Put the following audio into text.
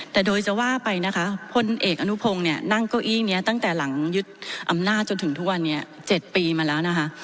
แต่โดยจะว่าไปนะคะพลเอกอนุพงศ์เนี่ยนั่งเก้าอี้นี้ตั้งแต่หลังยึดอำนาจจนถึงทุกวันนี้๗ปีมาแล้วนะคะ